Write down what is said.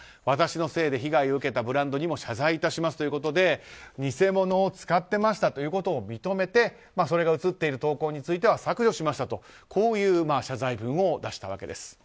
私のせいで被害を受けたブランドにも謝罪しますということで偽物を使ってましたということを認めてそれが映っている投稿については削除しましたと謝罪文を出したわけです。